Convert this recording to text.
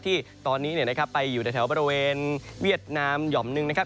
ที่ตอนนี้ไปอยู่ในแถวบริเวณเวียดนามหย่อมหนึ่งนะครับ